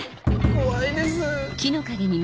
怖いです。